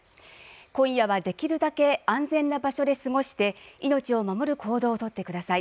今夜はできるだけ安全な場所で過ごして命を守る行動を取ってください。